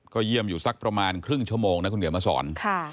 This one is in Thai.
เยี่ยมอยู่สักประมาณครึ่งชั่วโมงนะคุณเขียนมาสอน